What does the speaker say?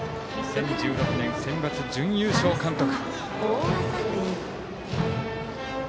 ２０１６年センバツ準優勝監督。